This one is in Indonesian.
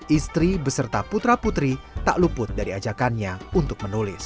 istri beserta putra putri tak luput dari ajakannya untuk menulis